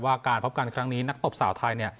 การพบกันครั้งนี้นักตบสาวไทย